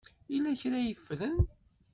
Yella kra ay ffren?